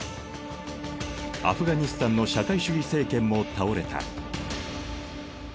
アフガニスタンの社会主義政権も倒れた。